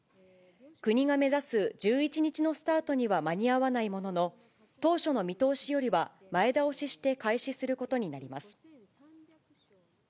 国が目指す１１日のスタートには間に合わないものの、当初の見通しよりは前倒しして開始することになります。